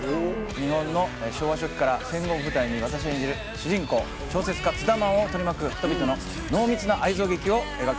日本の昭和初期から戦後を舞台に私が演じる主人公小説家ツダマンを取り巻く人々の濃密な愛憎劇を描きます。